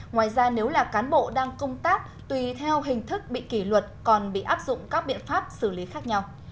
ngoài ra nếu là cán bộ đang công tác tùy theo hình thức bị kỷ luật còn bị áp dụng các biện pháp xử lý khác nhau